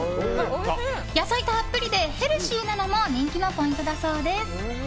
野菜たっぷりでヘルシーなのも人気のポイントだそうです。